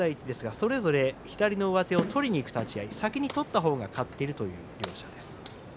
それぞれ左の上手を取りにいく立ち合い先に取った方が勝っているという両者です。